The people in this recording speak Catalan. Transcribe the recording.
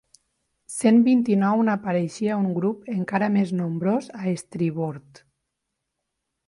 Cent vint-i-nou n'apareixia un grup encara més nombrós a estribord.